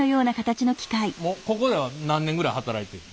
ここでは何年ぐらい働いてる？